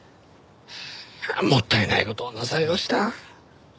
もったいない事をなさいました。